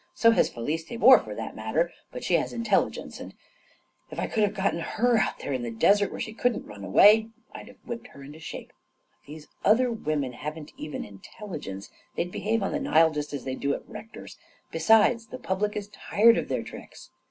So has Felice Tabor, for that matter; but she has intelligence, and if I could have got her out there in the desert where she couldn't run away, I'd have whipped her into shape. But these other women haven't even intelligence. They'd behave on the Nile just as they do at Rector's. Besides, the public is tired of their tricks."